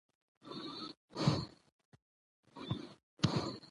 هېڅ څېز په پخواني حالت پاتې نه شول.